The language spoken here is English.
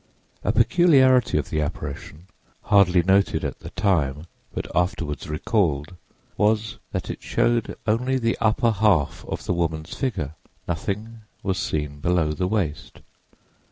A peculiarity of the apparition, hardly noted at the time, but afterward recalled, was that it showed only the upper half of the woman's figure: nothing was seen below the waist.